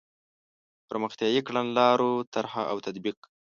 پرمختیایي کړنلارو طرح او تطبیق.